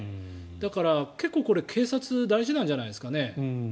だから結構これ、警察大事なんじゃないですかね。